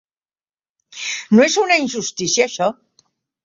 No és una injustícia, això?